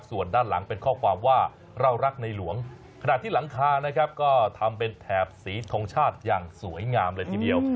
ส่วนด้านหลังเป็นข้อความว่าเรารักในหลวงขณะที่หลังคานะครับก็ทำเป็นแถบสีทงชาติอย่างสวยงามเลยทีเดียว